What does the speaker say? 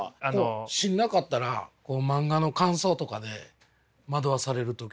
芯なかったらこう漫画の感想とかで惑わされる時とか。